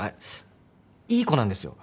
いい子なんですよ。